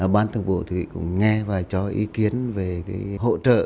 ban thường vụ cũng nghe và cho ý kiến về hỗ trợ